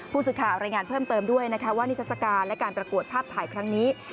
ผู้สื่อข่าวรายงานเพิ่มเติมด้วยนะคะว่านิทรศการและการประกวดภาพถ่ายครั้งนี้